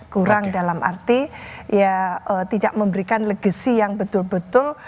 kurang dalam arti ya tidak memberikan legacy yang betul betul